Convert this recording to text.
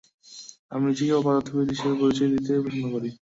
আমি নিজেকে পদার্থবিদ হিসেবে পরিচয় দিতেই পছন্দ করে।